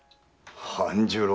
半十郎。